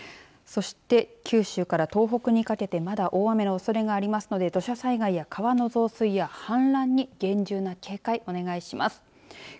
そして、九州から東北にかけてまだ大雨のおそれがありますので土砂災害や川の増水や川の氾濫に厳重な警戒をお願いします。